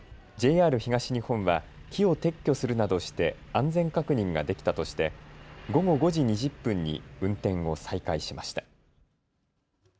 ＪＲ東日本は木を撤去するなどして安全確認ができたとして午後５時２０分に運転を再開しました。